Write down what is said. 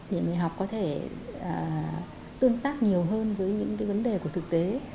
để người học có thể tương tác nhiều hơn với những cái vấn đề của thực tế